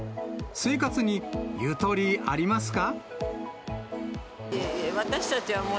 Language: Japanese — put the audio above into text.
生活にゆとりありますか？